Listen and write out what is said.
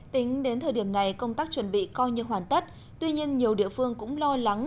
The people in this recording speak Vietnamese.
tính đến thời điểm này công tác chuẩn bị coi như hoàn tất tuy nhiên nhiều địa phương cũng lo lắng